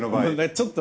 ちょっと。